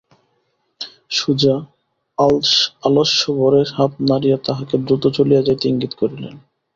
সুজা আলস্যভরে হাত নাড়িয়া তাঁহাকে দ্রুত চলিয়া যাইতে ইঙ্গিত করিলেন।